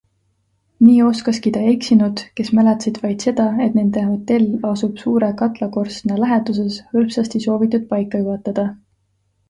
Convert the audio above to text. Nii oskaski ta eksinud, kes mäletasid vaid seda, et nende hotell asub suure katlakorstna läheduses, hõlpsasti soovitud paika juhatada.